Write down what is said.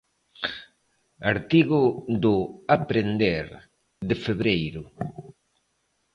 Artigo do 'Aprender' de febreiro.